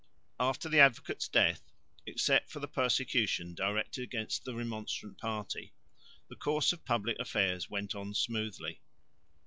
After the Advocate's death, except for the persecution directed against the Remonstrant party, the course of public affairs went on smoothly.